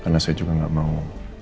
karena saya juga enggak mau